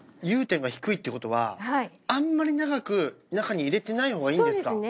融点が低いってことはあんまり長く中に入れてないほうがいいんですか？